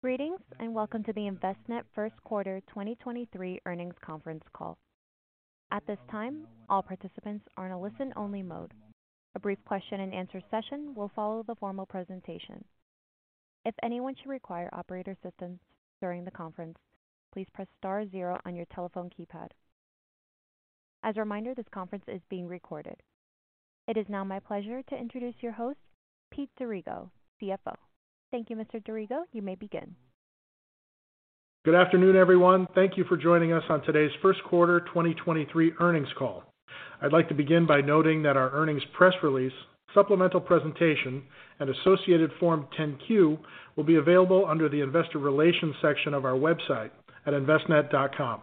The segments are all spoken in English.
Greetings, welcome to the Envestnet first quarter 2023 earnings conference call. At this time, all participants are in a listen only mode. A brief question and answer session will follow the formal presentation. If anyone should require operator assistance during the conference, please press star zero on your telephone keypad. As a reminder, this conference is being recorded. It is now my pleasure to introduce your host, Pete D'Arrigo, CFO. Thank you, Mr. D'Arrigo. You may begin. Good afternoon, everyone. Thank you for joining us on today's first quarter 2023 earnings call. I'd like to begin by noting that our earnings press release, supplemental presentation, and associated Form 10-Q will be available under the Investor Relations section of our website at envestnet.com.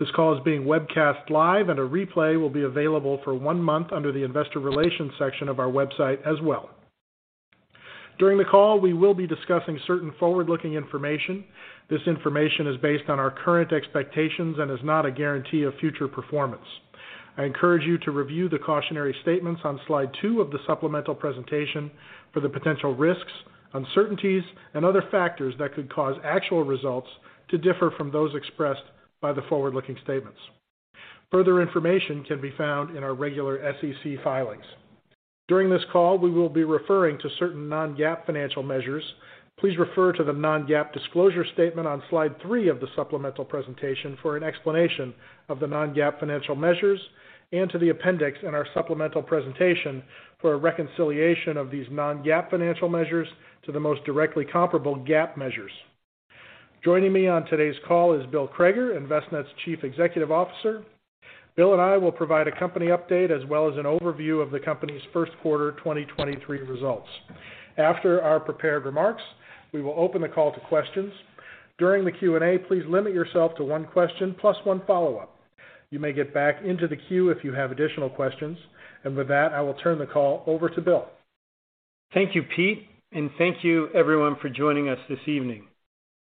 This call is being webcast live, and a replay will be available for one month under the Investor Relations section of our website as well. During the call, we will be discussing certain forward-looking information. This information is based on our current expectations and is not a guarantee of future performance. I encourage you to review the cautionary statements on slide two of the supplemental presentation for the potential risks, uncertainties, and other factors that could cause actual results to differ from those expressed by the forward-looking statements. Further information can be found in our regular SEC filings. During this call, we will be referring to certain non-GAAP financial measures. Please refer to the non-GAAP disclosure statement on slide three of the supplemental presentation for an explanation of the non-GAAP financial measures and to the appendix in our supplemental presentation for a reconciliation of these non-GAAP financial measures to the most directly comparable GAAP measures. Joining me on today's call is Bill Crager, Envestnet's Chief Executive Officer. Bill and I will provide a company update as well as an overview of the company's first quarter 2023 results. After our prepared remarks, we will open the call to questions. During the Q&A, please limit yourself to one question plus one follow-up. You may get back into the queue if you have additional questions. With that, I will turn the call over to Bill. Thank you, Pete, and thank you everyone for joining us this evening.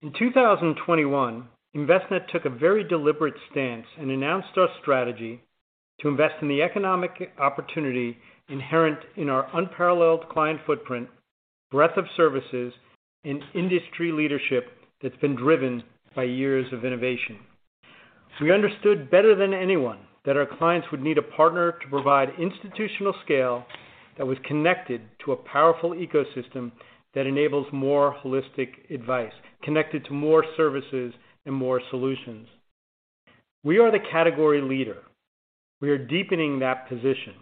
In 2021, Envestnet took a very deliberate stance and announced our strategy to invest in the economic opportunity inherent in our unparalleled client footprint, breadth of services, and industry leadership that's been driven by years of innovation. We understood better than anyone that our clients would need a partner to provide institutional scale that was connected to a powerful ecosystem that enables more holistic advice, connected to more services and more solutions. We are the category leader. We are deepening that position.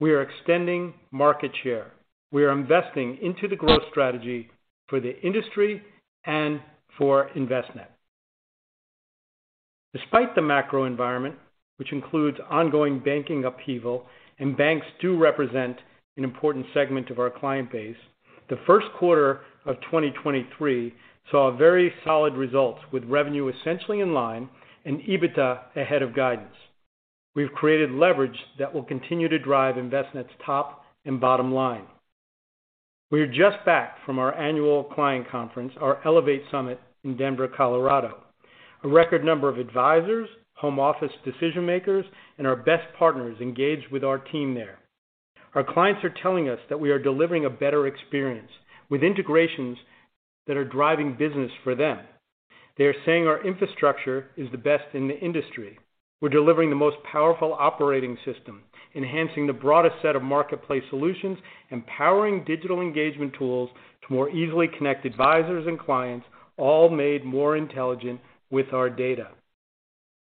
We are extending market share. We are investing into the growth strategy for the industry and for Envestnet. Despite the macro environment, which includes ongoing banking upheaval, and banks do represent an important segment of our client base, the first quarter of 2023 saw very solid results with revenue essentially in line and EBITDA ahead of guidance. We've created leverage that will continue to drive Envestnet's top and bottom line. We are just back from our annual client conference, our Elevate Summit in Denver, Colorado. A record number of advisors, home office decision-makers, and our best partners engaged with our team there. Our clients are telling us that we are delivering a better experience with integrations that are driving business for them. They are saying our infrastructure is the best in the industry. We're delivering the most powerful operating system, enhancing the broadest set of marketplace solutions, empowering digital engagement tools to more easily connect advisors and clients, all made more intelligent with our data.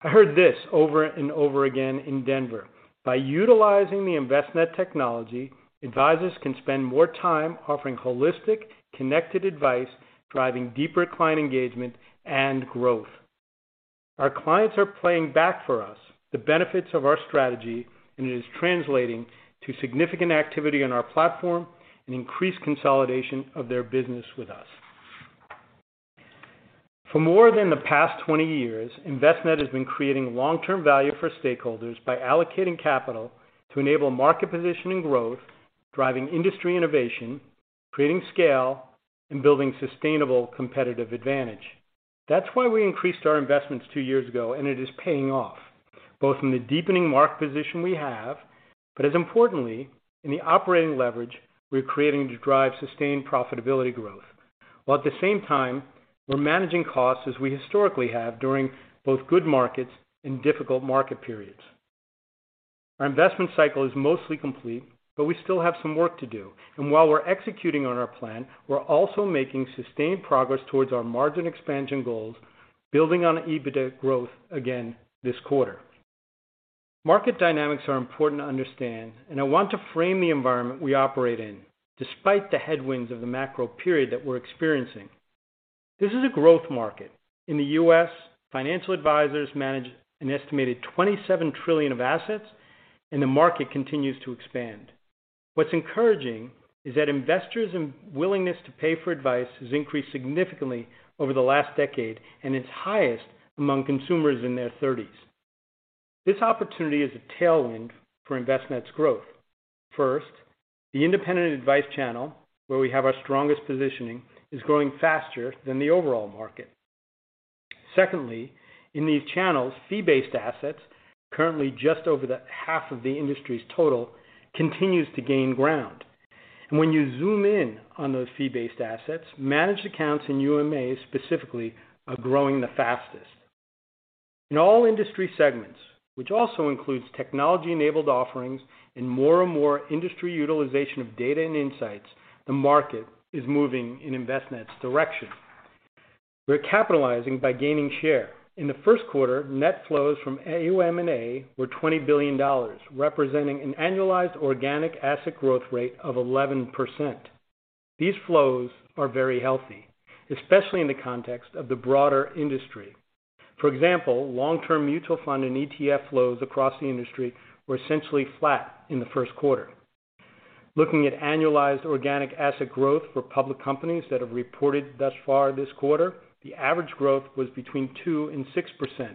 I heard this over and over again in Denver. By utilizing the Envestnet technology, advisors can spend more time offering holistic, connected advice, driving deeper client engagement and growth. Our clients are playing back for us the benefits of our strategy, and it is translating to significant activity on our platform and increased consolidation of their business with us. For more than the past 20 years, Envestnet has been creating long-term value for stakeholders by allocating capital to enable market position and growth, driving industry innovation, creating scale, and building sustainable competitive advantage. That's why we increased our investments two years ago, and it is paying off, both in the deepening market position we have, but as importantly, in the operating leverage we're creating to drive sustained profitability growth, while at the same time, we're managing costs as we historically have during both good markets and difficult market periods. Our investment cycle is mostly complete, but we still have some work to do. While we're executing on our plan, we're also making sustained progress towards our margin expansion goals, building on EBITDA growth again this quarter. Market dynamics are important to understand, and I want to frame the environment we operate in despite the headwinds of the macro period that we're experiencing. This is a growth market. In the U.S., financial advisors manage an estimated $27 trillion of assets, and the market continues to expand. What's encouraging is that investors' willingness to pay for advice has increased significantly over the last decade and is highest among consumers in their thirties. This opportunity is a tailwind for Envestnet's growth. First, the independent advice channel, where we have our strongest positioning, is growing faster than the overall market. Secondly, in these channels, fee-based assets, currently just over the half of the industry's total, continues to gain ground. When you zoom in on those fee-based assets, managed accounts in UMAs specifically are growing the fastest. In all industry segments, which also includes technology-enabled offerings and more and more industry utilization of data and insights, the market is moving in Envestnet's direction. We're capitalizing by gaining share. In the first quarter, net flows from AUM/A were $20 billion, representing an annualized organic asset growth rate of 11%. These flows are very healthy, especially in the context of the broader industry. For example, long-term mutual fund and ETF flows across the industry were essentially flat in the first quarter. Looking at annualized organic asset growth for public companies that have reported thus far this quarter, the average growth was between 2% and 6%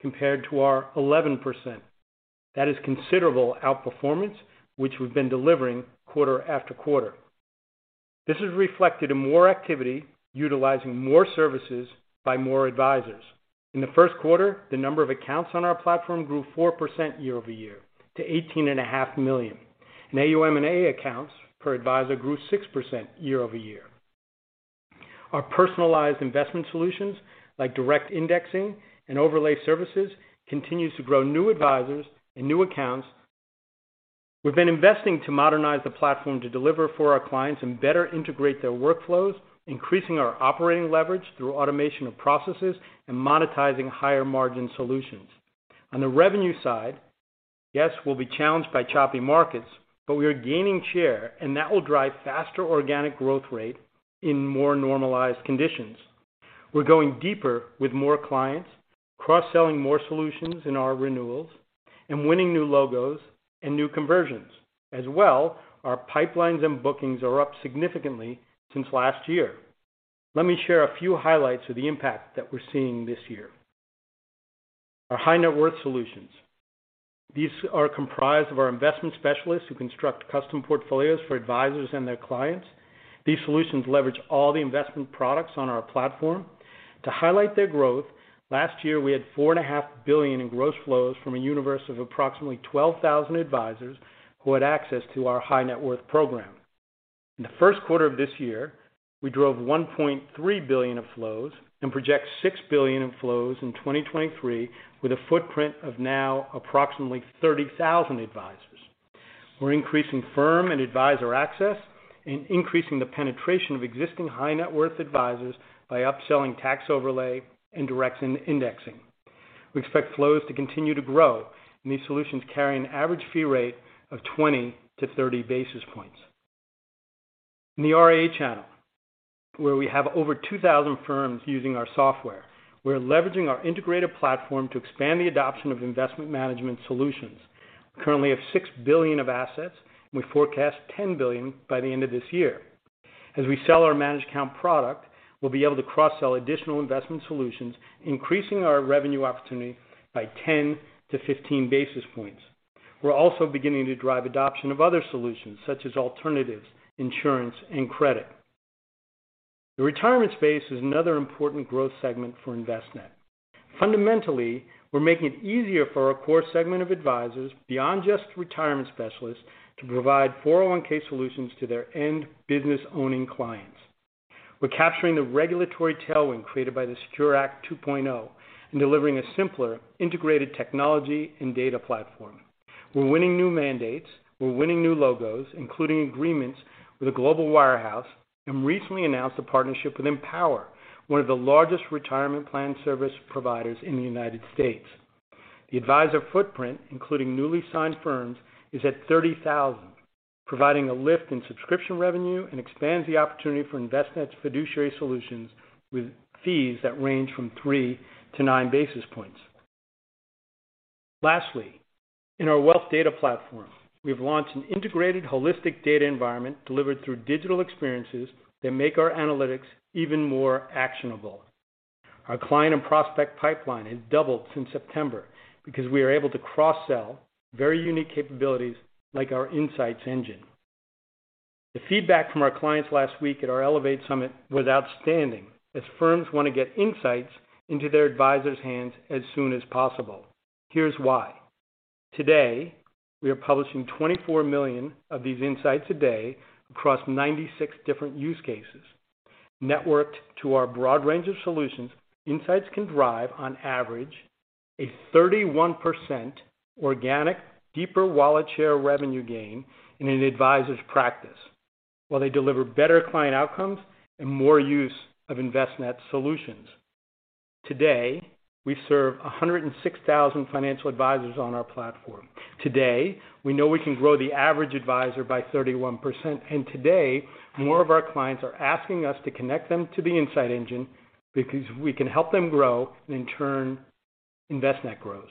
compared to our 11%. That is considerable outperformance, which we've been delivering quarter-after-quarter. This is reflected in more activity, utilizing more services by more advisors. In the first quarter, the number of accounts on our platform grew 4% year-over-year to 18.5 million. AUM/A accounts per advisor grew 6% year-over-year. Our personalized investment solutions, like direct indexing and overlay services, continues to grow new advisors and new accounts. We've been investing to modernize the platform to deliver for our clients and better integrate their workflows, increasing our operating leverage through automation of processes and monetizing higher-margin solutions. On the revenue side, yes, we'll be challenged by choppy markets, but we are gaining share, and that will drive faster organic growth rate in more normalized conditions. We're going deeper with more clients, cross-selling more solutions in our renewals, and winning new logos and new conversions. Our pipelines and bookings are up significantly since last year. Let me share a few highlights of the impact that we're seeing this year. Our high net worth solutions. These are comprised of our investment specialists who construct custom portfolios for advisors and their clients. These solutions leverage all the investment products on our platform. To highlight their growth, last year we had four and a half billion in gross flows from a universe of approximately 12,000 advisors who had access to our high net worth program. In the first quarter of this year, we drove $1.3 billion of flows and project $6 billion in flows in 2023, with a footprint of now approximately 30,000 advisors. We're increasing firm and advisor access and increasing the penetration of existing high net worth advisors by upselling tax overlay and direct indexing. We expect flows to continue to grow, these solutions carry an average fee rate of 20-30 basis points. In the RIA channel, where we have over 2,000 firms using our software, we're leveraging our integrated platform to expand the adoption of investment management solutions. Currently have $6 billion of assets. We forecast $10 billion by the end of this year. As we sell our managed account product, we'll be able to cross-sell additional investment solutions, increasing our revenue opportunity by 10-15 basis points. We're also beginning to drive adoption of other solutions, such as alternatives, insurance, and credit. The retirement space is another important growth segment for Envestnet. Fundamentally, we're making it easier for our core segment of advisors, beyond just retirement specialists, to provide 401(k) solutions to their end business-owning clients. We're capturing the regulatory tailwind created by the SECURE 2.0 Act and delivering a simpler, integrated technology and data platform. We're winning new mandates. We're winning new logos, including agreements with a global wirehouse, and recently announced a partnership with Empower, one of the largest retirement plan service providers in the United States. The advisor footprint, including newly signed firms, is at 30,000, providing a lift in subscription revenue and expands the opportunity for Envestnet's fiduciary solutions with fees that range from 3-9 basis points. Lastly, in our Wealth Data Platform, we've launched an integrated holistic data environment delivered through digital experiences that make our analytics even more actionable. Our client and prospect pipeline has doubled since September because we are able to cross-sell very unique capabilities like our Insights Engine. The feedback from our clients last week at our Elevate Summit was outstanding, as firms want to get insights into their advisors' hands as soon as possible. Here's why. Today, we are publishing 24 million of these insights a day across 96 different use cases. Networked to our broad range of solutions, insights can drive, on average, a 31% organic deeper wallet share revenue gain in an advisor's practice, while they deliver better client outcomes and more use of Envestnet solutions. Today, we serve 106,000 financial advisors on our platform. Today, we know we can grow the average advisor by 31%. Today, more of our clients are asking us to connect them to the Insights Engine because we can help them grow, and in turn, Envestnet grows.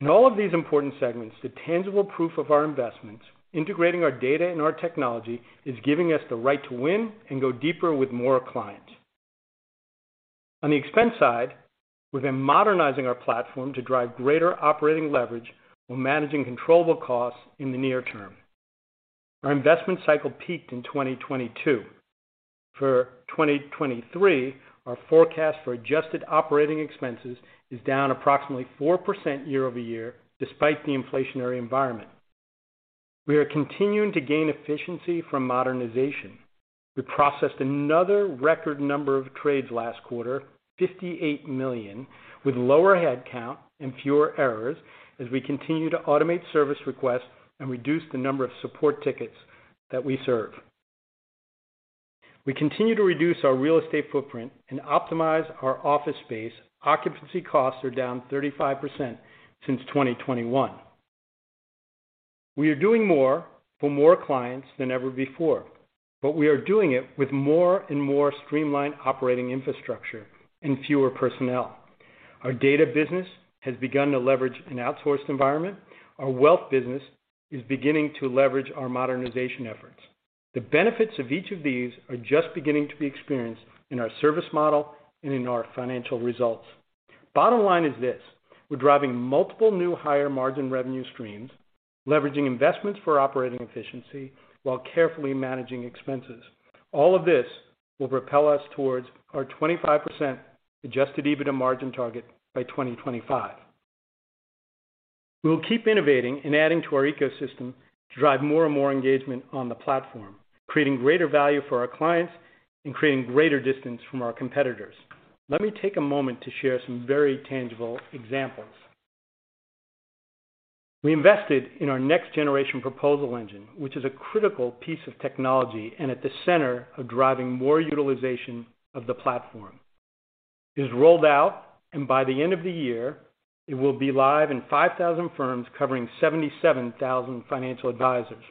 In all of these important segments, the tangible proof of our investments, integrating our data and our technology, is giving us the right to win and go deeper with more clients. On the expense side, we've been modernizing our platform to drive greater operating leverage while managing controllable costs in the near term. Our investment cycle peaked in 2022. For 2023, our forecast for adjusted operating expenses is down approximately 4% year-over-year despite the inflationary environment. We are continuing to gain efficiency from modernization. We processed another record number of trades last quarter, $58 million, with lower headcount and fewer errors as we continue to automate service requests and reduce the number of support tickets that we serve. We continue to reduce our real estate footprint and optimize our office space. Occupancy costs are down 35% since 2021. We are doing more for more clients than ever before, but we are doing it with more and more streamlined operating infrastructure and fewer personnel. Our data business has begun to leverage an outsourced environment. Our wealth business is beginning to leverage our modernization efforts. The benefits of each of these are just beginning to be experienced in our service model and in our financial results. Bottom line is this: we're driving multiple new higher margin revenue streams, leveraging investments for operating efficiency while carefully managing expenses. All of this will propel us towards our 25% Adjusted EBITDA margin target by 2025. We'll keep innovating and adding to our ecosystem to drive more and more engagement on the platform, creating greater value for our clients and creating greater distance from our competitors. Let me take a moment to share some very tangible examples. We invested in our next generation proposal engine, which is a critical piece of technology and at the center of driving more utilization of the platform. It is rolled out, and by the end of the year, it will be live in 5,000 firms covering 77,000 financial advisors.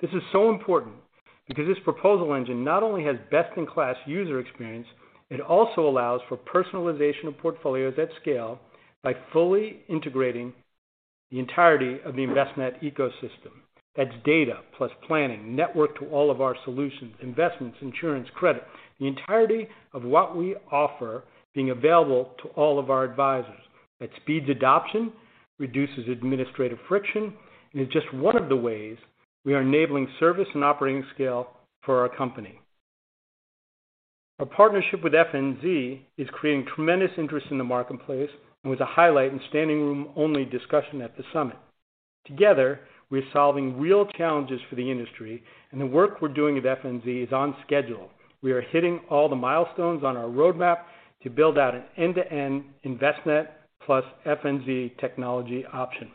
This is so important because this proposal engine not only has best-in-class user experience, it also allows for personalization of portfolios at scale by fully integrating the entirety of the Envestnet ecosystem. That's data plus planning, network to all of our solutions, investments, insurance, credit, the entirety of what we offer being available to all of our advisors. That speeds adoption, reduces administrative friction, and is just one of the ways we are enabling service and operating scale for our company. Our partnership with FNZ is creating tremendous interest in the marketplace and with a highlight in standing room only discussion at the Summit. Together, we're solving real challenges for the industry, and the work we're doing at FNZ is on schedule. We are hitting all the milestones on our roadmap to build out an end-to-end Envestnet plus FNZ technology option.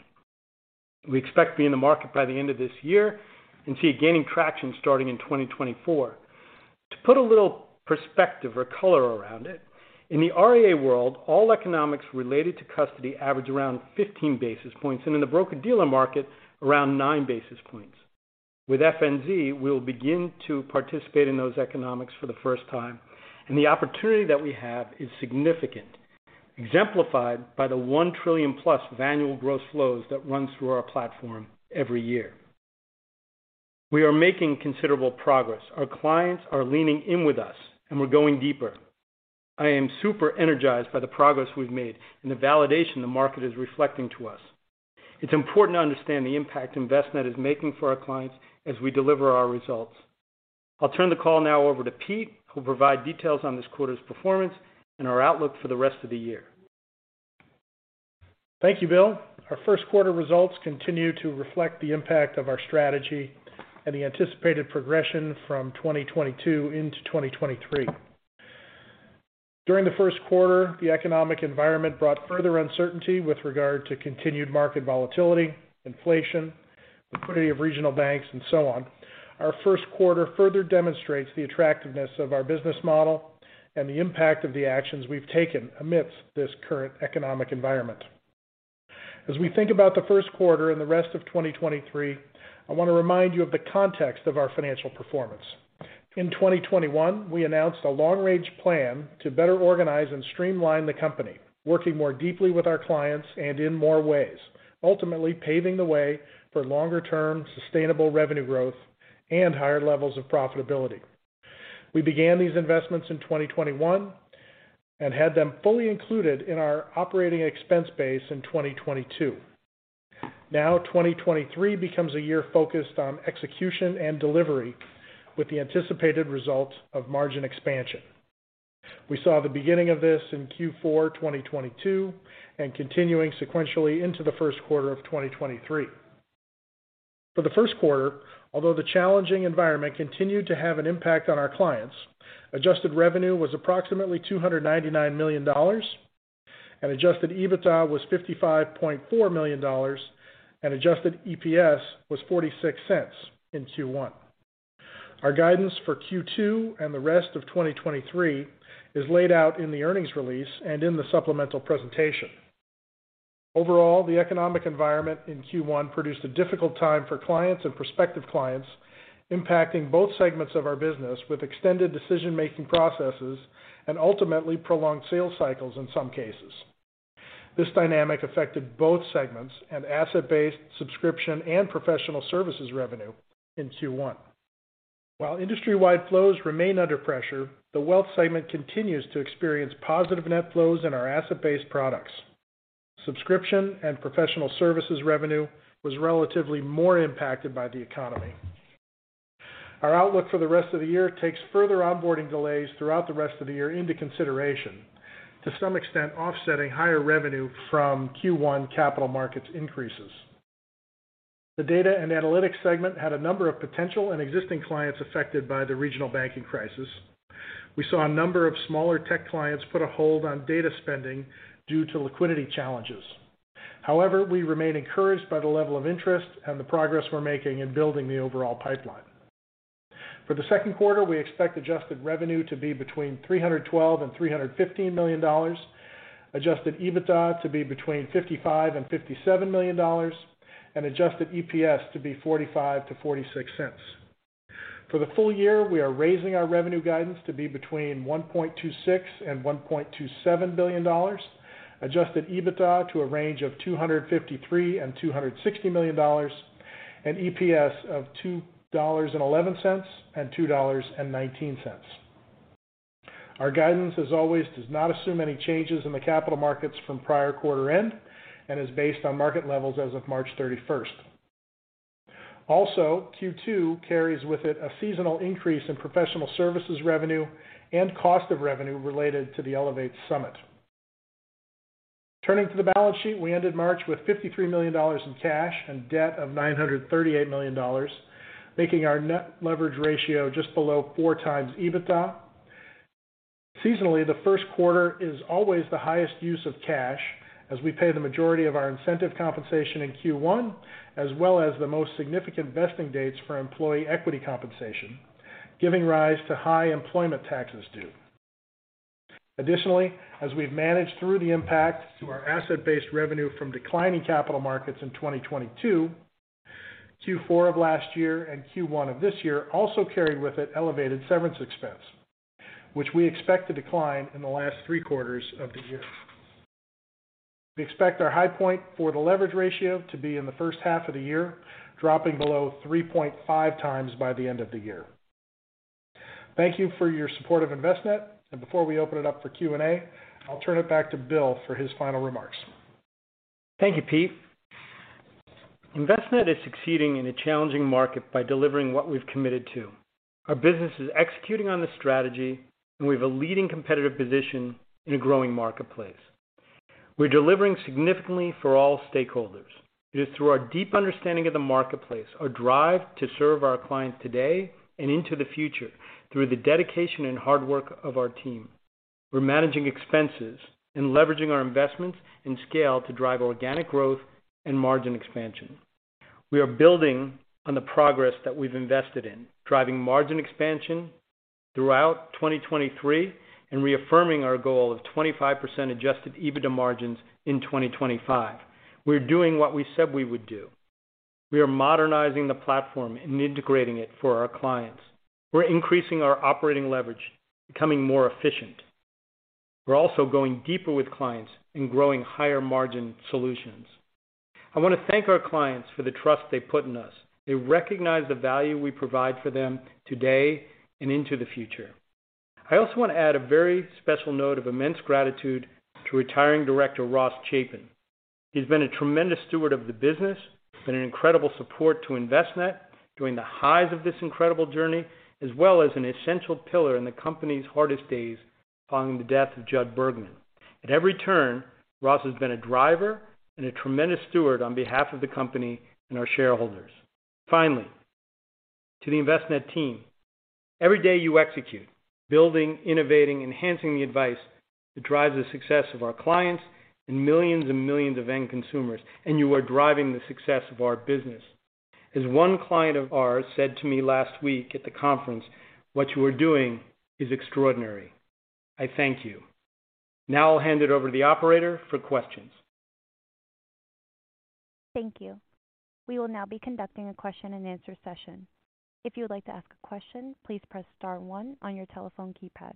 We expect to be in the market by the end of this year and see it gaining traction starting in 2024. To put a little perspective or color around it, in the RIA world, all economics related to custody average around 15 basis points, and in the broker-dealer market, around nine basis points. With FNZ, we'll begin to participate in those economics for the first time, and the opportunity that we have is significant, exemplified by the 1 trillion-plus of annual gross flows that run through our platform every year. We are making considerable progress. Our clients are leaning in with us, and we're going deeper. I am super energized by the progress we've made and the validation the market is reflecting to us. It's important to understand the impact Envestnet is making for our clients as we deliver our results. I'll turn the call now over to Pete, who'll provide details on this quarter's performance and our outlook for the rest of the year. Thank you, Bill. Our first quarter results continue to reflect the impact of our strategy and the anticipated progression from 2022 into 2023. During the first quarter, the economic environment brought further uncertainty with regard to continued market volatility, inflation, liquidity of regional banks, and so on. Our first quarter further demonstrates the attractiveness of our business model and the impact of the actions we've taken amidst this current economic environment. As we think about the first quarter and the rest of 2023, I want to remind you of the context of our financial performance. In 2021, we announced a long-range plan to better organize and streamline the company, working more deeply with our clients and in more ways, ultimately paving the way for longer-term, sustainable revenue growth and higher levels of profitability. We began these investments in 2021 and had them fully included in our operating expense base in 2022. Now, 2023 becomes a year focused on execution and delivery with the anticipated result of margin expansion. We saw the beginning of this in Q4 2022 and continuing sequentially into the first quarter of 2023. For the first quarter, although the challenging environment continued to have an impact on our clients, adjusted revenue was approximately $299 million and Adjusted EBITDA was $55.4 million, and Adjusted EPS was $0.46 in Q1. Our guidance for Q2 and the rest of 2023 is laid out in the earnings release and in the supplemental presentation. Overall, the economic environment in Q1 produced a difficult time for clients and prospective clients, impacting both segments of our business with extended decision-making processes and ultimately prolonged sales cycles in some cases. This dynamic affected both segments and asset-based subscription and professional services revenue in Q1.While industry-wide flows remain under pressure, the wealth segment continues to experience positive net flows in our asset-based products. Subscription and professional services revenue was relatively more impacted by the economy. Our outlook for the rest of the year takes further onboarding delays throughout the rest of the year into consideration, to some extent, offsetting higher revenue from Q1 capital markets increases. The data and analytics segment had a number of potential and existing clients affected by the regional banking crisis. We saw a number of smaller tech clients put a hold on data spending due to liquidity challenges. However, we remain encouraged by the level of interest and the progress we're making in building the overall pipeline. For the second quarter, we expect Adjusted revenue to be between $312 million and $315 million. Adjusted EBITDA to be between $55 million and $57 million. Adjusted EPS to be $0.45-$0.46. For the full year, we are raising our revenue guidance to be between $1.26 billion and $1.27 billion. Adjusted EBITDA to a range of $253 million and $260 million. EPS of $2.11 and $2.19. Our guidance, as always, does not assume any changes in the capital markets from prior quarter end and is based on market levels as of March 31st. Also, Q2 carries with it a seasonal increase in professional services revenue and cost of revenue related to the Elevate Summit. Turning to the balance sheet, we ended March with $53 million in cash and debt of $938 million, making our net leverage ratio just below 4x EBITDA. Seasonally, the first quarter is always the highest use of cash as we pay the majority of our incentive compensation in Q1, as well as the most significant vesting dates for employee equity compensation, giving rise to high employment taxes due. Additionally, as we've managed through the impact to our asset-based revenue from declining capital markets in 2022, Q4 of last year and Q1 of this year also carried with it elevated severance expense, which we expect to decline in the last three quarters of the year. We expect our high point for the leverage ratio to be in the first half of the year, dropping below 3.5x by the end of the year. Thank you for your support of Envestnet. Before we open it up for Q&A, I'll turn it back to Bill for his final remarks. Thank you, Pete. Envestnet is succeeding in a challenging market by delivering what we've committed to. Our business is executing on the strategy, and we have a leading competitive position in a growing marketplace. We're delivering significantly for all stakeholders. It is through our deep understanding of the marketplace, our drive to serve our clients today and into the future, through the dedication and hard work of our team. We're managing expenses and leveraging our investments and scale to drive organic growth and margin expansion. We are building on the progress that we've invested in, driving margin expansion throughout 2023 and reaffirming our goal of 25% Adjusted EBITDA margins in 2025. We're doing what we said we would do. We are modernizing the platform and integrating it for our clients. We're increasing our operating leverage, becoming more efficient. We're also going deeper with clients and growing higher-margin solutions. I want to thank our clients for the trust they put in us. They recognize the value we provide for them today and into the future. I also want to add a very special note of immense gratitude to Retiring Director Ross Chapin. He's been a tremendous steward of the business and an incredible support to Envestnet during the highs of this incredible journey, as well as an essential pillar in the company's hardest days following the death of Jud Bergman. At every turn, Ross has been a driver and a tremendous steward on behalf of the company and our shareholders. Finally, to the Envestnet team, every day you execute, building, innovating, enhancing the advice that drives the success of our clients and millions and millions of end consumers, and you are driving the success of our business. As one client of ours said to me last week at the conference, "What you are doing is extraordinary." I thank you. Now I'll hand it over to the operator for questions. Thank you. We will now be conducting a question-and-answer session. If you would like to ask a question, please press star one on your telephone keypad.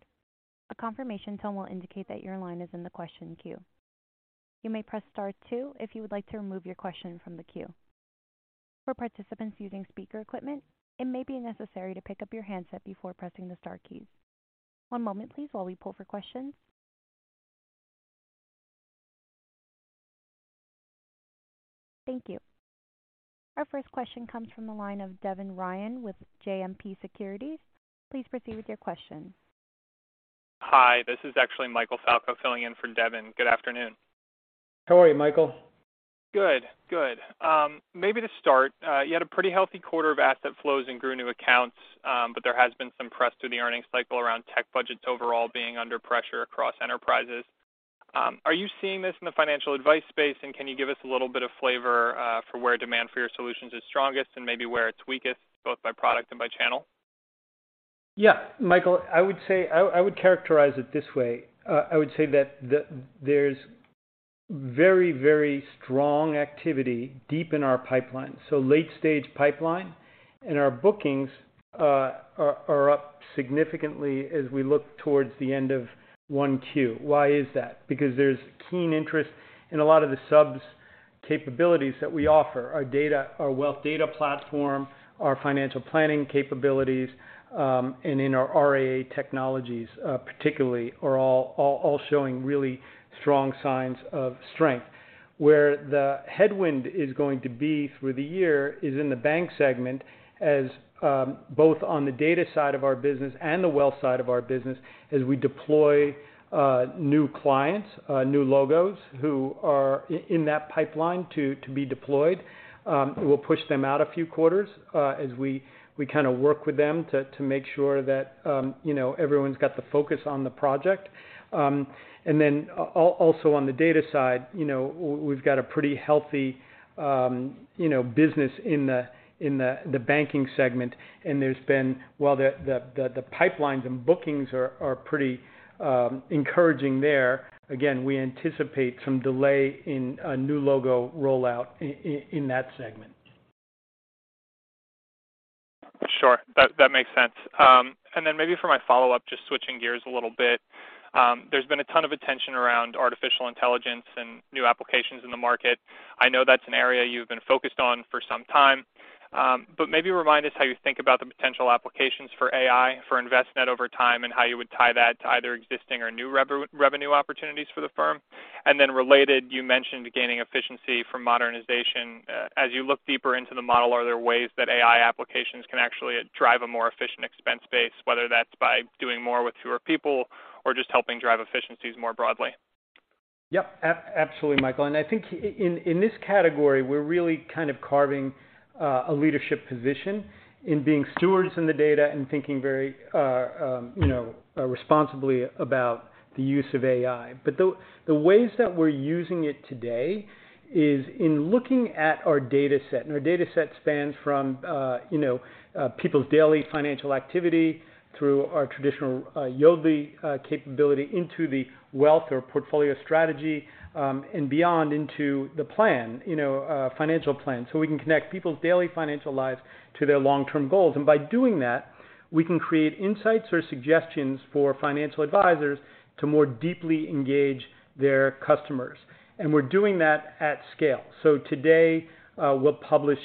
A confirmation tone will indicate that your line is in the question queue. You may press star two if you would like to remove your question from the queue. For participants using speaker equipment, it may be necessary to pick up your handset before pressing the star keys. One moment, please, while we pull for questions. Thank you. Our first question comes from the line of Devin Ryan with JMP Securities. Please proceed with your question. Hi, this is actually Michael Falco filling in for Devin. Good afternoon. How are you, Michael? Good, good. Maybe to start, you had a pretty healthy quarter of asset flows and grew new accounts, but there has been some press through the earnings cycle around tech budgets overall being under pressure across enterprises. Are you seeing this in the financial advice space, and can you give us a little bit of flavor for where demand for your solutions is strongest and maybe where it's weakest, both by product and by channel? Yeah, Michael, I would say I would characterize it this way. I would say that there's very, very strong activity deep in our pipeline, so late stage pipeline. Our bookings are up significantly as we look towards the end of 1Q. Why is that? Because there's keen interest in a lot of the subs capabilities that we offer. Our data, our Wealth Data Platform, our financial planning capabilities, and in our RIA technologies, particularly are all showing really strong signs of strength. Where the headwind is going to be through the year is in the bank segment as both on the data side of our business and the wealth side of our business, as we deploy new clients, new logos who are in that pipeline to be deployed. We'll push them out a few quarters, as we kinda work with them to make sure that, you know, everyone's got the focus on the project. Also on the data side, you know, we've got a pretty healthy, you know, business in the pipelines and bookings are pretty encouraging there, again, we anticipate some delay in a new logo rollout in that segment. Sure. That makes sense. Then maybe for my follow-up, just switching gears a little bit, there's been a ton of attention around artificial intelligence and new applications in the market. I know that's an area you've been focused on for some time, but maybe remind us how you think about the potential applications for AI, for Envestnet over time, and how you would tie that to either existing or new revenue opportunities for the firm. Then related, you mentioned gaining efficiency from modernization. As you look deeper into the model, are there ways that AI applications can actually drive a more efficient expense base, whether that's by doing more with fewer people or just helping drive efficiencies more broadly? Yep. Absolutely, Michael. I think in this category, we're really kind of carving a leadership position in being stewards in the data and thinking very, you know, responsibly about the use of AI. The ways that we're using it today is in looking at our dataset. Our dataset spans from, you know, people's daily financial activity through our traditional Yodlee capability into the wealth or portfolio strategy, and beyond into the plan, you know, financial plan. We can connect people's daily financial lives to their long-term goals. By doing that, we can create insights or suggestions for financial advisors to more deeply engage their customers. We're doing that at scale. Today, we'll publish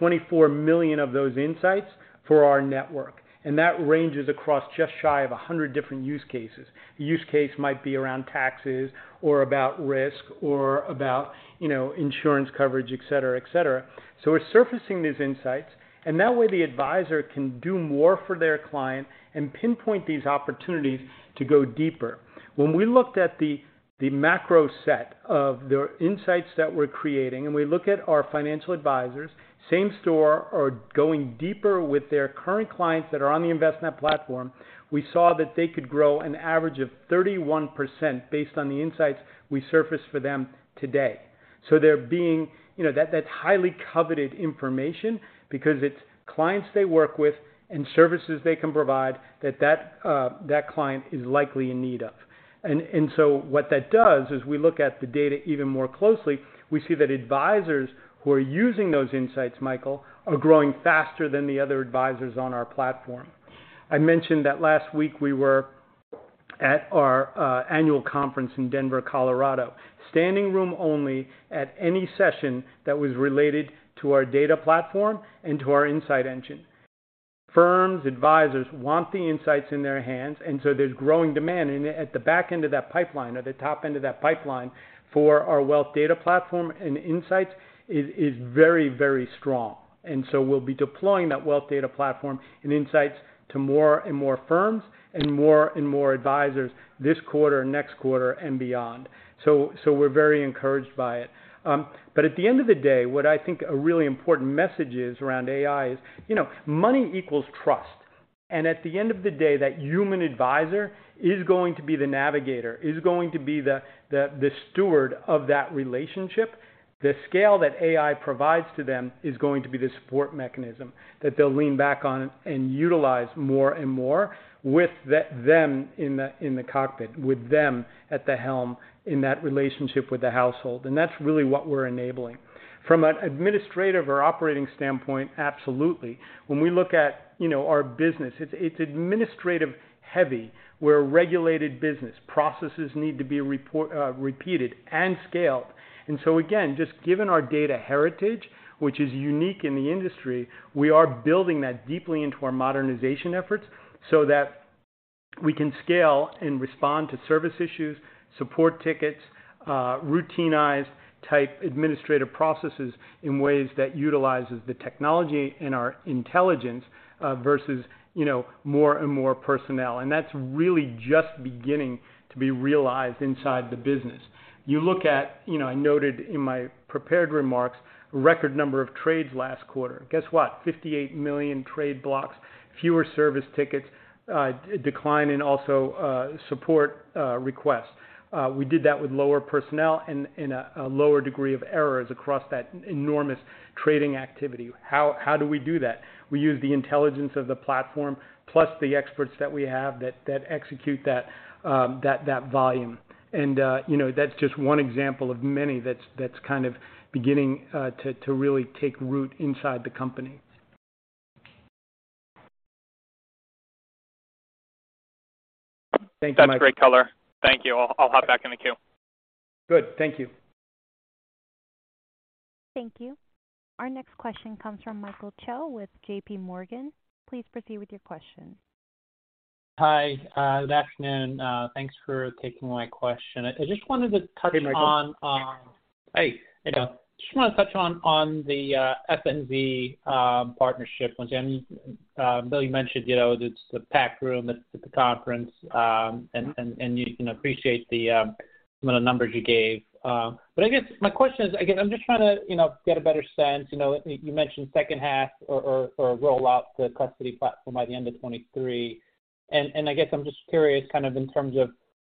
$24 million of those insights for our network, and that ranges across just shy of 100 different use cases. The use case might be around taxes, or about risk, or about, you know, insurance coverage, et cetera, et cetera. We're surfacing these insights, and that way the advisor can do more for their client and pinpoint these opportunities to go deeper. When we looked at the macro set of the insights that we're creating, and we look at our financial advisors, same store are going deeper with their current clients that are on the Envestnet platform. We saw that they could grow an average of 31% based on the insights we surface for them today. They're being... You know, that's highly coveted information because it's clients they work with and services they can provide that that client is likely in need of. So what that does is we look at the data even more closely. We see that advisors who are using those insights, Michael, are growing faster than the other advisors on our platform. I mentioned that last week we were at our annual conference in Denver, Colorado, standing room only at any session that was related to our data platform and to our Insights Engine. Firms, advisors want the insights in their hands, so there's growing demand. At the back end of that pipeline or the top end of that pipeline for our Wealth Data Platform and insights is very, very strong. We'll be deploying that Wealth Data Platform and insights to more and more firms and more and more advisors this quarter, next quarter, and beyond. We're very encouraged by it. At the end of the day, what I think a really important message is around AI is, you know, money equals trust. At the end of the day, that human advisor is going to be the navigator, is going to be the steward of that relationship. The scale that AI provides to them is going to be the support mechanism that they'll lean back on and utilize more and more with them in the cockpit, with them at the helm in that relationship with the household. That's really what we're enabling. From an administrative or operating standpoint, absolutely. When we look at, you know, our business, it's administrative-heavy. We're a regulated business. Processes need to be repeated and scaled. Again, just given our data heritage, which is unique in the industry, we are building that deeply into our modernization efforts so that we can scale and respond to service issues, support tickets, routinized type administrative processes in ways that utilizes the technology and our intelligence, versus, you know, more and more personnel. That's really just beginning to be realized inside the business. You look at, you know, I noted in my prepared remarks, record number of trades last quarter. Guess what? 58 million trade blocks, fewer service tickets, decline in also, support, requests. We did that with lower personnel and a lower degree of errors across that enormous trading activity. How do we do that? We use the intelligence of the platform, plus the experts that we have that execute that volume. You know, that's just one example of many that's kind of beginning to really take root inside the company. That's great color. Thank you. I'll hop back in the queue. Good. Thank you. Thank you. Our next question comes from Michael Cho with JPMorgan. Please proceed with your question. Hi, good afternoon. Thanks for taking my question. I just wanted to touch on. Hey, Michael. Hey. Just wanted to touch on the FNZ partnership. I know you mentioned, you know, it's the packed room at the conference, and you can appreciate the some of the numbers you gave. I guess my question is, again, I'm just trying to, you know, get a better sense. You know, you mentioned second half or roll out the custody platform by the end of 2023. I guess I'm just curious, kind of in terms of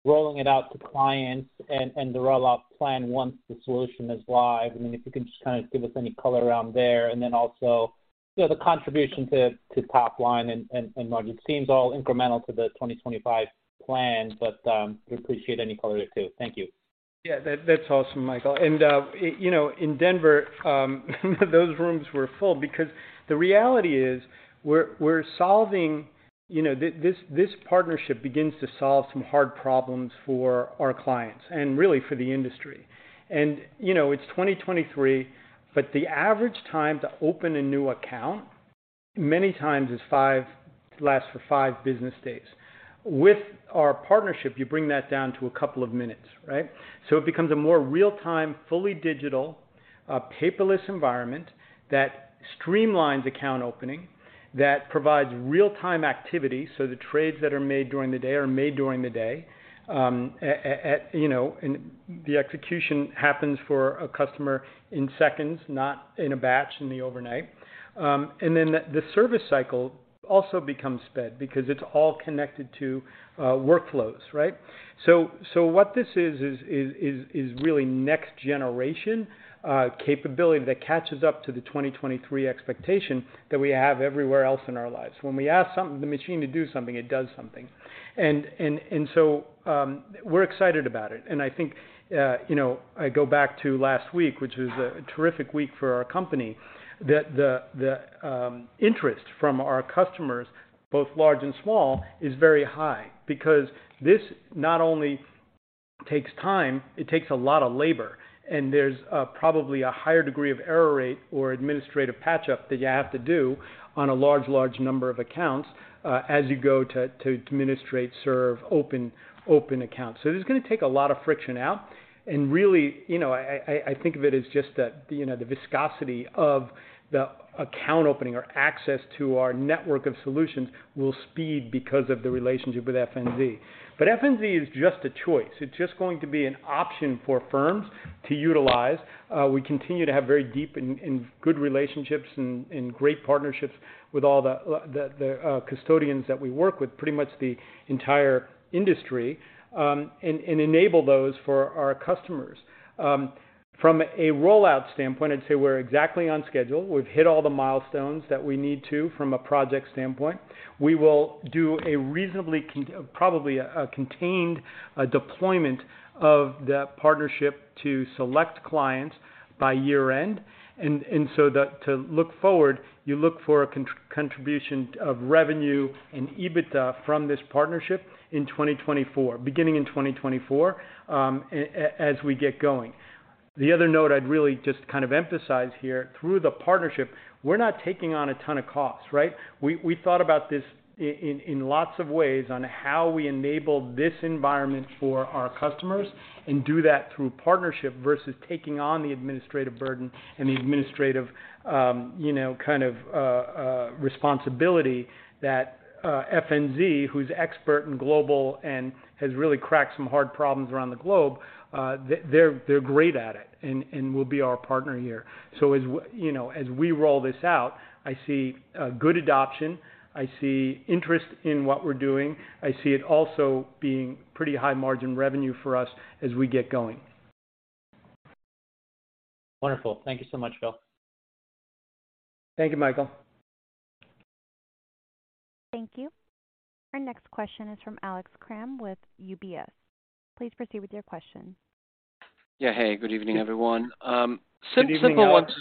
rolling it out to clients and the rollout plan once the solution is live, and if you can just kind of give us any color around there. Then also, you know, the contribution to top line and margin. Seems all incremental to the 2025 plan, but we appreciate any color there too. Thank you. Yeah, that's awesome, Michael. You know, in Denver, those rooms were full because the reality is we're solving. You know, this partnership begins to solve some hard problems for our clients and really for the industry. You know, it's 2023, but the average time to open a new account many times is lasts for five business days. With our partnership, you bring that down to a couple of minutes, right? So it becomes a more real-time, fully digital, paperless environment that streamlines account opening, that provides real-time activity, so the trades that are made during the day are made during the day, you know. The execution happens for a customer in seconds, not in a batch in the overnight. Then the service cycle also becomes sped because it's all connected to workflows, right? What this is really next-generation capability that catches up to the 2023 expectation that we have everywhere else in our lives. When we ask the machine to do something, it does something. And so, we're excited about it. I think, you know, I go back to last week, which was a terrific week for our company, that the interest from our customers, both large and small, is very high because this not only takes time, it takes a lot of labor, and there's probably a higher degree of error rate or administrative patch up that you have to do on a large number of accounts as you go to administrate, serve, open accounts. This is gonna take a lot of friction out. Really, you know, I think of it as just that, you know, the viscosity of the account opening or access to our network of solutions will speed because of the relationship with FNZ. FNZ is just a choice. It's just going to be an option for firms to utilize. We continue to have very deep and good relationships and great partnerships with all the custodians that we work with, pretty much the entire industry, and enable those for our customers. From a rollout standpoint, I'd say we're exactly on schedule. We've hit all the milestones that we need to from a project standpoint. We will do a reasonably probably a contained deployment of the partnership to select clients by year-end. To look forward, you look for a contribution of revenue and EBITDA from this partnership in 2024, beginning in 2024, as we get going. The other note I'd really just kind of emphasize here, through the partnership, we're not taking on a ton of costs, right? We thought about this in lots of ways on how we enable this environment for our customers and do that through partnership versus taking on the administrative burden and the administrative, you know, kind of, responsibility that FNZ, who's expert and global and has really cracked some hard problems around the globe, they're great at it and will be our partner here. As you know, as we roll this out, I see good adoption, I see interest in what we're doing. I see it also being pretty high margin revenue for us as we get going. Wonderful. Thank you so much, Bill. Thank you, Michael. Thank you. Our next question is from Alex Kramm with UBS. Please proceed with your question. Yeah. Hey, good evening, everyone. Good evening, Alex.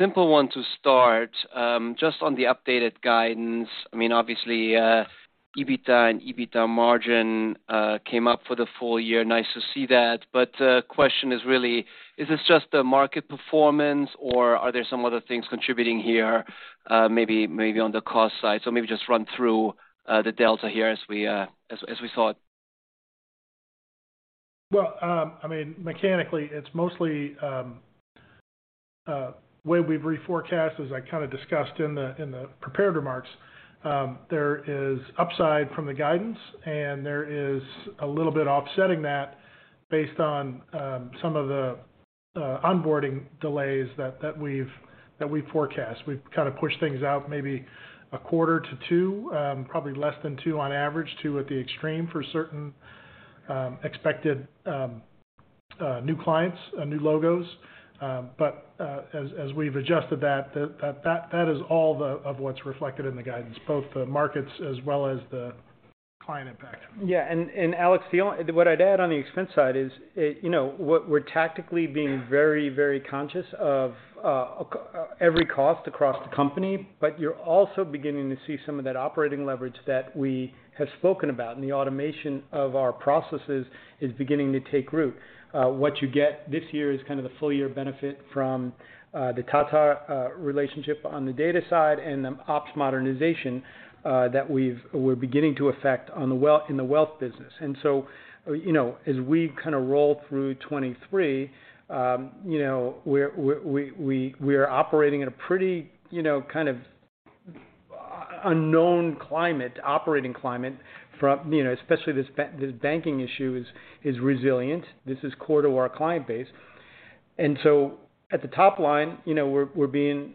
Simple one to start. Just on the updated guidance. I mean, obviously, EBITDA and EBITDA margin came up for the full year. Nice to see that. Question is really, is this just a market performance or are there some other things contributing here, maybe on the cost side? Maybe just run through the delta here as we saw it. I mean, mechanically, it's mostly way we've reforecast, as I kind of discussed in the prepared remarks. There is upside from the guidance, and there is a little bit offsetting that based on some of the onboarding delays that we've forecast. We've kind of pushed things out maybe a quarter to two, probably less than two on average, two at the extreme for certain expected new clients, new logos. As we've adjusted that is all of what's reflected in the guidance, both the markets as well as the Client impact. Yeah. Alex, what I'd add on the expense side is, you know, what we're tactically being very, very conscious of, every cost across the company. You're also beginning to see some of that operating leverage that we have spoken about, and the automation of our processes is beginning to take root. What you get this year is kind of the full-year benefit from the Tata relationship on the data side and the ops modernization that we're beginning to affect in the wealth business. You know, as we kinda roll through 2023, you know, we're operating at a pretty, you know, kind of unknown climate, operating climate from, you know, especially this banking issue is resilient. This is core to our client base. At the top line, you know, we're being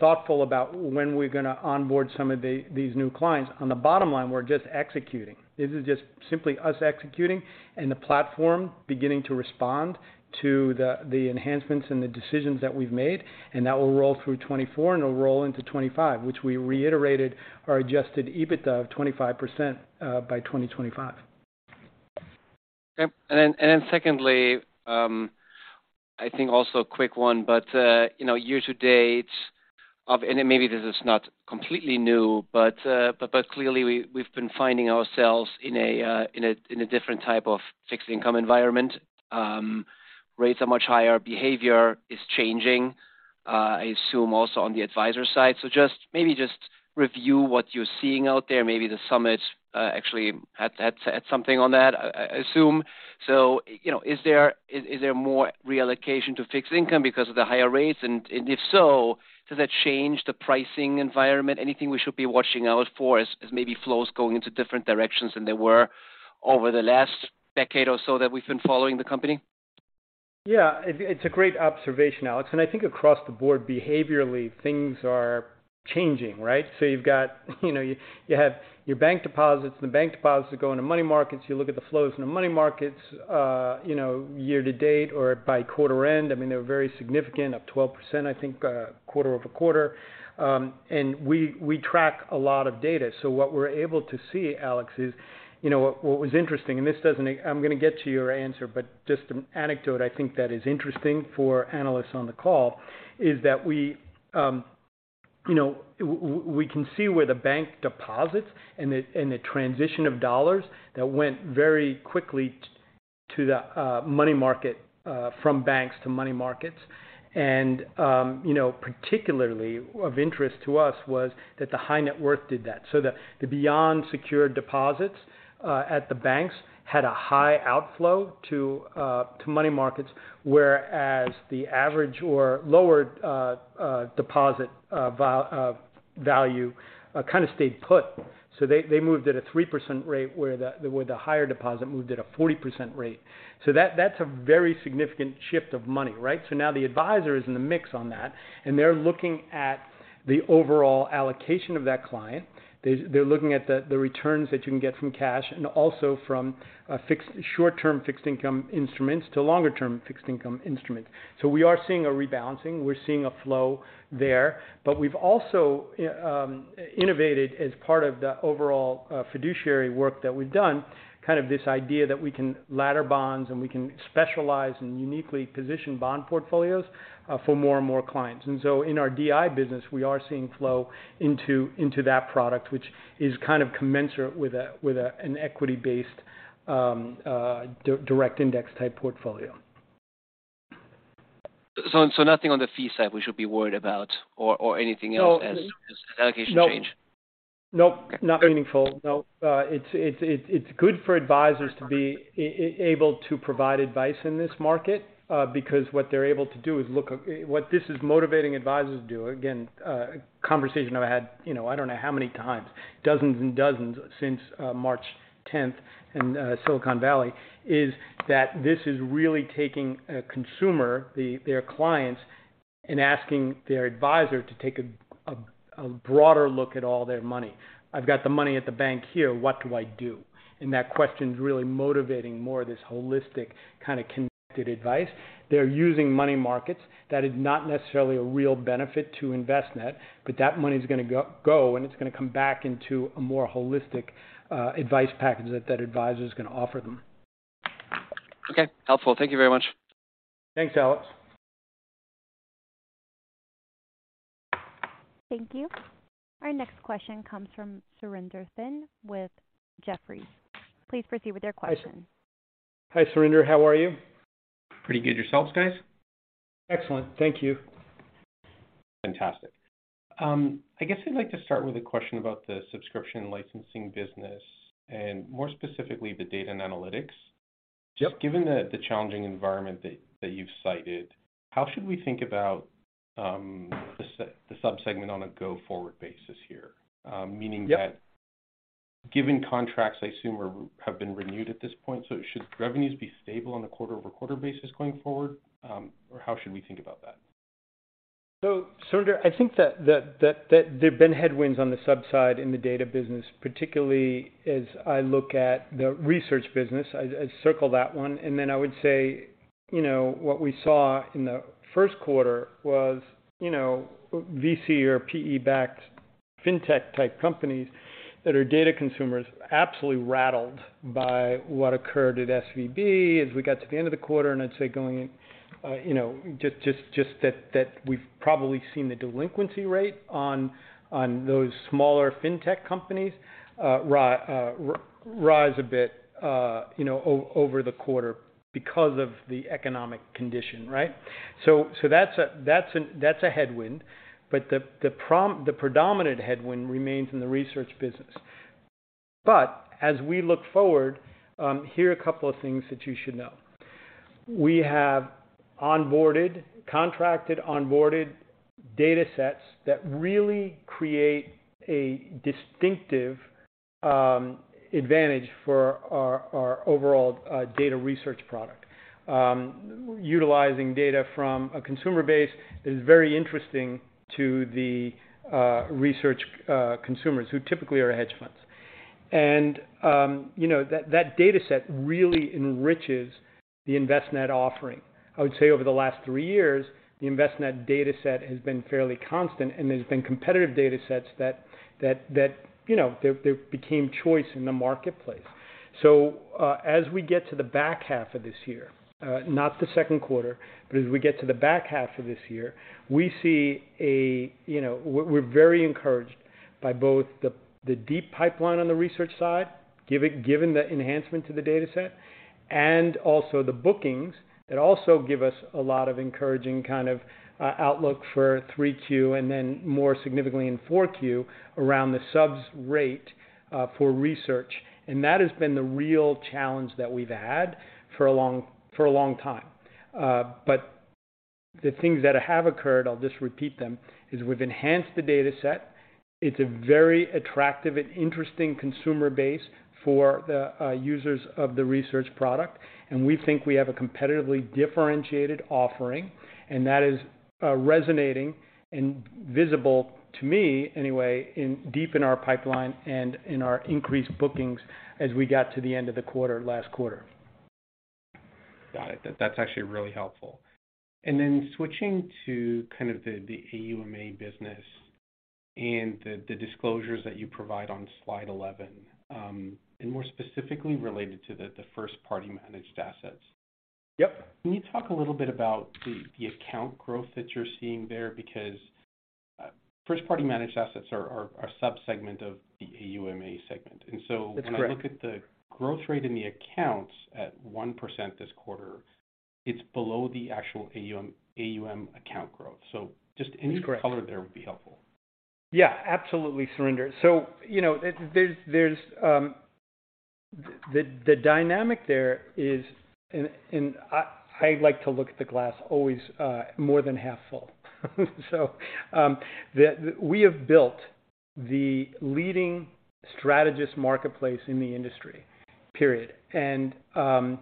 thoughtful about when we're gonna onboard some of these new clients. On the bottom line, we're just executing. This is just simply us executing and the platform beginning to respond to the enhancements and the decisions that we've made, and that will roll through 2024, and it'll roll into 2025, which we reiterated our Adjusted EBITDA of 25% by 2025. Okay. And then secondly, I think also a quick one, but, you know, year-to-date of... and maybe this is not completely new, but clearly we've been finding ourselves in a different type of fixed income environment. Rates are much higher, behavior is changing, I assume also on the advisor side. Just maybe just review what you're seeing out there. Maybe the Summit actually had something on that, assume. You know, is there more reallocation to fixed income because of the higher rates? If so, does that change the pricing environment? Anything we should be watching out for as maybe flows going into different directions than they were over the last decade or so that we've been following the company? Yeah. It's a great observation, Alex. I think across the board, behaviorally, things are changing, right? You've got, you know, you have your bank deposits, and the bank deposits are going to money markets. You look at the flows in the money markets, you know, year-to-date or by quarter end, I mean, they're very significant, up 12%, I think, quarter-over-quarter. We track a lot of data. What we're able to see, Alex, is, you know, what was interesting, and this doesn't... I'm gonna get to your answer, but just an anecdote I think that is interesting for analysts on the call is that we, you know, we can see where the bank deposits and the, and the transition of dollars that went very quickly to the money market from banks to money markets. Particularly of interest to us was that the high net worth did that. The, the beyond secured deposits at the banks had a high outflow to money markets, whereas the average or lower deposit value kind of stayed put. They, they moved at a 3% rate, where the, where the higher deposit moved at a 40% rate. That's a very significant shift of money, right? Now the advisor is in the mix on that, and they're looking at the overall allocation of that client. They're looking at the returns that you can get from cash and also from fixed short-term fixed income instruments to longer-term fixed income instruments. We are seeing a rebalancing. We're seeing a flow there. We've also innovated as part of the overall fiduciary work that we've done, kind of this idea that we can ladder bonds, and we can specialize and uniquely position bond portfolios for more and more clients. In our DI business, we are seeing flow into that product, which is kind of commensurate with an equity-based direct index type portfolio. Nothing on the fee side we should be worried about or anything else? No. As this allocation change? Nope. Nope. Not meaningful. Nope. It's good for advisors to be able to provide advice in this market, because what they're able to do is look at. What this is motivating advisors to do, again, a conversation I've had, you know, I don't know how many times, dozens and dozens since March 10th in Silicon Valley, is that this is really taking a consumer, their clients, and asking their advisor to take a broader look at all their money. I've got the money at the bank here, what do I do? That question's really motivating more of this holistic kind of connected advice. They're using money markets. That is not necessarily a real benefit to Envestnet, but that money's gonna go, and it's gonna come back into a more holistic advice package that that advisor is gonna offer them. Okay. Helpful. Thank you very much. Thanks, Alex. Thank you. Our next question comes from Surinder Thind with Jefferies. Please proceed with your question. Hi, Surinder. How are you? Pretty good. Yourselves, guys? Excellent. Thank you. Fantastic. I guess I'd like to start with a question about the subscription licensing business and more specifically the data and analytics. Yep. Given the challenging environment that you've cited, how should we think about the subsegment on a go-forward basis here? Yep. Given contracts, I assume, have been renewed at this point, so should revenues be stable on a quarter-over-quarter basis going forward? How should we think about that? Surinder, I think that there've been headwinds on the sub-side in the data business, particularly as I look at the research business. I circle that one, and then I would say, you know, what we saw in the first quarter was, you know, VC or PE-backed Fintech type companies that are data consumers absolutely rattled by what occurred at SVB. As we got to the end of the quarter, and I'd say going, you know, just that we've probably seen the delinquency rate on those smaller Fintech companies rise a bit, you know, over the quarter because of the economic condition, right. That's a, that's a, that's a headwind. The predominant headwind remains in the research business. As we look forward, here are a couple of things that you should know. We have contracted, onboarded datasets that really create a distinctive advantage for our overall data research product. Utilizing data from a consumer base is very interesting to the research consumers who typically are hedge funds. You know, that dataset really enriches the Envestnet offering. I would say over the last three years, the Envestnet dataset has been fairly constant and there's been competitive datasets that, you know, they became choice in the marketplace. As we get to the back half of this year, not the second quarter, but as we get to the back half of this year, we see a. We're very encouraged by both the deep pipeline on the research side, given the enhancement to the dataset and also the bookings that also give us a lot of encouraging, kind of, outlook for 3Q and then more significantly in 4Q around the subs rate, for research. That has been the real challenge that we've had for a long time. But the things that have occurred, I'll just repeat them, is we've enhanced the dataset. It's a very attractive and interesting consumer base for the users of the research product. We think we have a competitively differentiated offering and that is resonating and visible, to me anyway, in deep in our pipeline and in our increased bookings as we got to the end of the quarter last quarter. Got it. That's actually really helpful. Switching to kind of the AUMA business and the disclosures that you provide on slide 11, and more specifically related to the first-party managed assets. Yep. Can you talk a little bit about the account growth that you're seeing there? First-party managed assets are a subsegment of the AUMA segment. That's correct. When I look at the growth rate in the accounts at 1% this quarter, it's below the actual AUM account growth. That's correct. Just any color there would be helpful. Yeah, absolutely, Surinder. You know, there's the dynamic there is, and I like to look at the glass always more than half full. We have built the leading strategist marketplace in the industry, period. You know,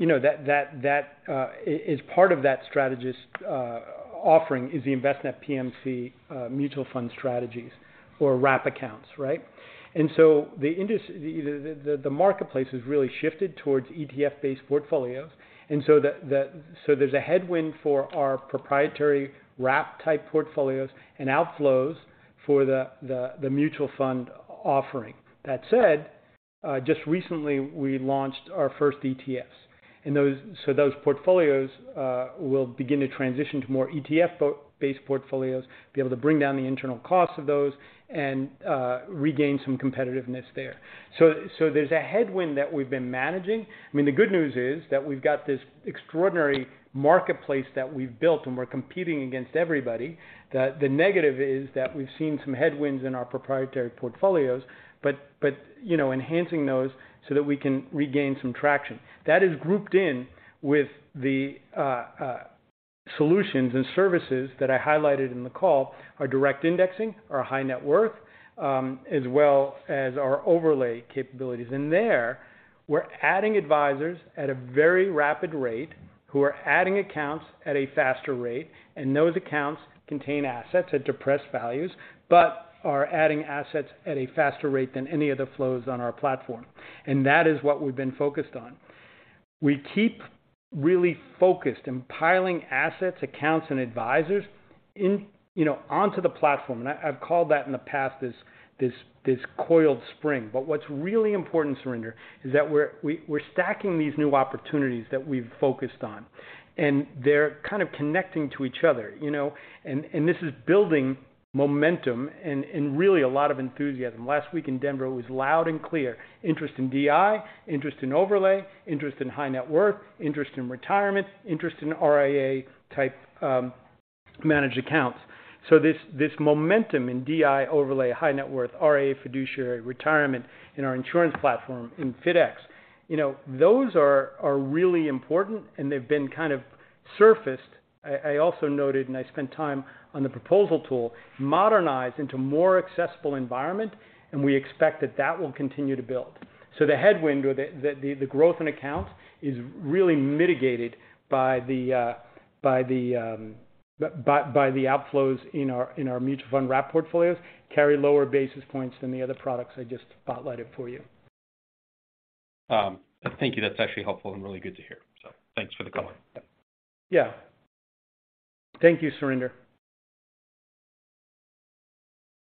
that is part of that strategist offering is the Envestnet PMC mutual fund strategies or wrap accounts, right? The marketplace has really shifted towards ETF-based portfolios. There's a headwind for our proprietary wrap-type portfolios and outflows for the mutual fund offering. That said, just recently, we launched our first ETFs. Those portfolios will begin to transition to more ETF-based portfolios, be able to bring down the internal costs of those, and regain some competitiveness there. There's a headwind that we've been managing. I mean, the good news is that we've got this extraordinary marketplace that we've built, and we're competing against everybody. The negative is that we've seen some headwinds in our proprietary portfolios, but, you know, enhancing those so that we can regain some traction. That is grouped in with the solutions and services that I highlighted in the call, our direct indexing, our high net worth, as well as our overlay capabilities. There, we're adding advisors at a very rapid rate who are adding accounts at a faster rate, and those accounts contain assets at depressed values but are adding assets at a faster rate than any other flows on our platform. That is what we've been focused on. We keep really focused in piling assets, accounts, and advisors in, you know, onto the platform. I've called that in the past this coiled spring. What's really important, Surinder, is that we're stacking these new opportunities that we've focused on. They're kind of connecting to each other, you know. This is building momentum and really a lot of enthusiasm. Last week in Denver, it was loud and clear. Interest in DI, interest in overlay, interest in high net worth, interest in retirement, interest in RIA-type managed accounts. This momentum in DI overlay, high net worth, RIA fiduciary retirement in our insurance platform in FIDx, you know, those are really important, and they've been kind of surfaced. I also noted, and I spent time on the proposal tool, modernized into more accessible environment, and we expect that will continue to build. The headwind or the growth in accounts is really mitigated by the outflows in our mutual fund wrap portfolios carry lower basis points than the other products I just spotlighted for you. Thank you. That's actually helpful and really good to hear. Thanks for the color. Yeah. Thank you, Surinder.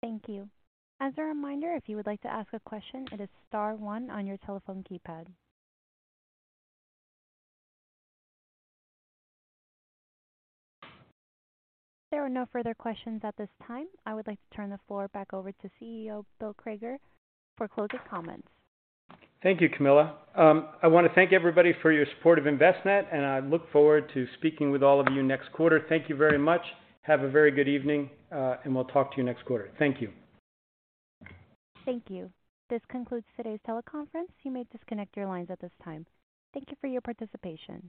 Thank you. As a reminder, if you would like to ask a question, it is star one on your telephone keypad. There are no further questions at this time. I would like to turn the floor back over to CEO Bill Crager for closing comments. Thank you, Camilla. I wanna thank everybody for your support of Envestnet. I look forward to speaking with all of you next quarter. Thank you very much. Have a very good evening. We'll talk to you next quarter. Thank you. Thank you. This concludes today's teleconference. You may disconnect your lines at this time. Thank you for your participation.